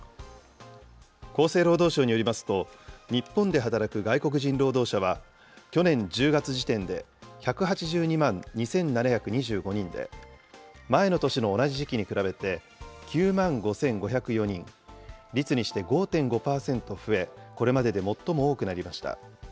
厚生労働省によりますと、日本で働く外国人労働者は、去年１０月時点で１８２万２７２５人で、前の年の同じ時期に比べて、９万５５０４人、率にして５．５％増え、これまでで最も多くなりました。